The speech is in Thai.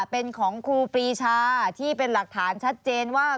เป็นของครูปรีชาที่เป็นหลักฐานชัดเจนว่า